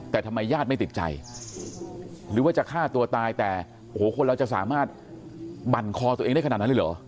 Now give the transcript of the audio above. แต่ทำไมญาติไม่ติดใจหรือว่าจะฆ่าตัวตายแต่โอ้โหคนเราจะสามารถบั่นคอตัวเองได้ขนาดนั้นเลยเหรอ